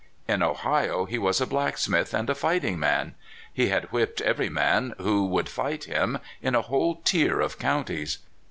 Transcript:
In Ohio he was a blacksmith and a fighting man. He had whipped every man who would fight him, in a whole tier of counties.